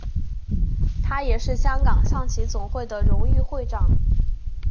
他也是香港象棋总会的荣誉会长。